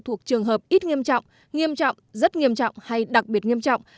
thuộc trường hợp ít nghiêm trọng nghiêm trọng rất nghiêm trọng hay đặc biệt nghiêm trọng